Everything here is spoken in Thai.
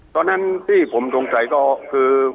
ตอนนั้นที่ผมสงสัยก็คือ